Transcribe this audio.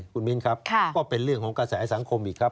คุณมิ้นครับก็เป็นเรื่องของกระแสสังคมอีกครับ